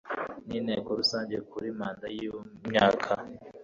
n Inteko Rusange kuri manda y imyaka